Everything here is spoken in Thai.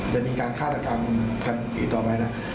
จะมีการฆาตกรรมกันตอนไหลอย่างนึง